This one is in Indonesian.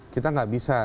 kita tidak bisa